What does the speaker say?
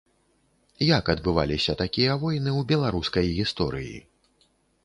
Як адбываліся такія войны ў беларускай гісторыі?